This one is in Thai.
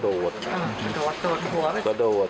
โดดหัวใช่ไหมครับโดด